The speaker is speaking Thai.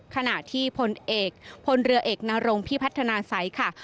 ขณะที่พลเอกพลเรือเอกนรงพิพัฒนาสัยค่ะ